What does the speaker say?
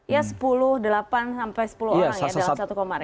ya sepuluh delapan sampai sepuluh orang ya dalam satu komar ya